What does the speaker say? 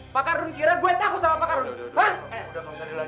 pak ardun kira gua takut sama pak ardun